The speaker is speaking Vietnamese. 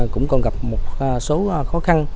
cũng còn gặp một số khó khăn